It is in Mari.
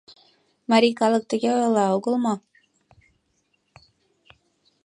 Марий калык тыге ойла огыл мо?